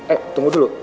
eh tunggu dulu